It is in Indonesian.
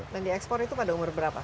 dan di ekspor itu pada umur berapa